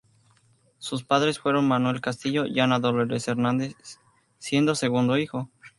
Sus padres fueron Manuel Castillo y Ana Dolores Hernández siendo segundo hijo.